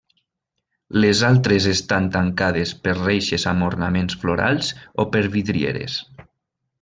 Les altres estan tancades per reixes amb ornaments florals o per vidrieres.